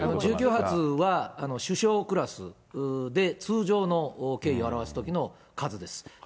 １９発は首相クラスで、通常の敬意を表すときの数です。